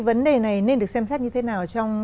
vấn đề này nên được xem xét như thế nào trong